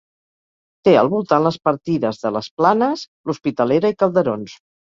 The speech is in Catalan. Té al voltant les partides de les Planes, l'Hospitalera i Calderons.